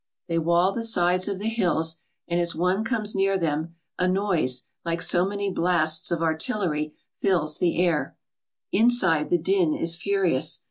They wall the sides of the hills and as one comes near them a noise like so many blasts of artillery fills the air. Inside the din is furious.